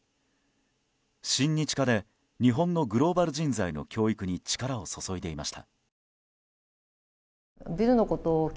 親日家で日本のグローバル人材の教育に力を注いでいました。